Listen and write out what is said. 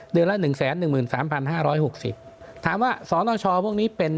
ละหนึ่งแสนหนึ่งหมื่นสามพันห้าร้อยหกสิบถามว่าสนชพวกนี้เป็น